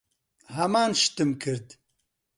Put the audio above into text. ھەمان شتم کرد.